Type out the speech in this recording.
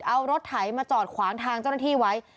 เอารถไถมาจอดขวางทางเจ้าหน้าที่ไว้